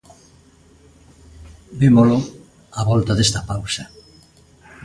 Vémolo á volta desta pausa.